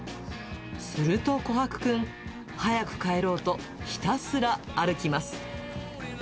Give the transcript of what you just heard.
するとコハクくん、早く帰ろうと、ひたすら歩きます。